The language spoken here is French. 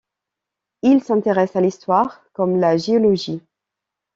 Il s’intéresse à l’histoire comme la géologie.